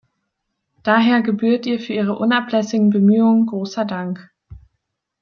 Daher gebührt ihr für ihre unablässigen Bemühungen großer Dank.